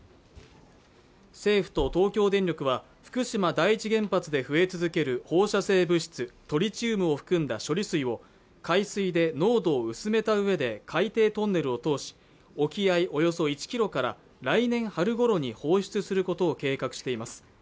政府と東京電力は福島第１原発で増え続ける放射性物質トリチウムを含んだ処理水を海水で濃度を薄めたうえで海底トンネルを通し沖合およそ１キロから来年春ごろに放出することを計画しています